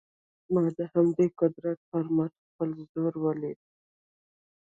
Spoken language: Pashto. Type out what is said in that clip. ما د همدې قدرت پر مټ خپل زوی وليد.